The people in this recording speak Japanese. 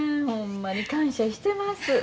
ほんまに感謝してます。